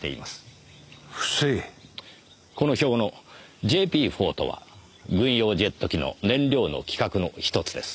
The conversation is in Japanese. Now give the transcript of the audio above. この表の「ＪＰ−４」とは軍用ジェット機の燃料の規格の１つです。